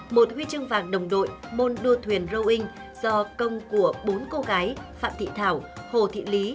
một huy chương vàng đồng đội môn đua thuyền rowing do công của bốn cô gái phạm thị thảo hồ thị lý